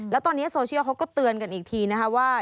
แล้วตอนนี้โซเชียลเขาก็เตือนกันอีกทีนะคะว่า